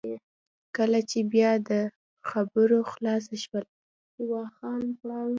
کله چې بیا د ده خبره خلاصه شول.